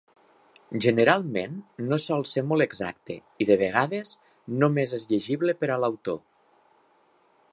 Generalment, no sol ser molt exacte i de vegades només és llegible per a l'autor.